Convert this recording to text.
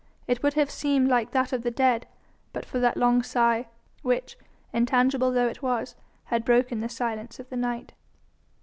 It would have seemed like that of the dead but for that long sigh, which, intangible though it was, had broken the silence of the night.